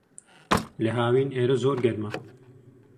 لە ھاوین، ئێرە زۆر گەرمە.